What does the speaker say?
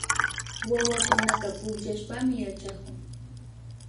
Wawakunaka pukllashpami yachakun